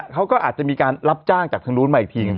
เขาก็อาจจะมีการรับจ้างจากทางนู้นมาอีกทีหนึ่ง